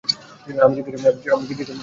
আমি জিজ্ঞাসা করলুম, কে?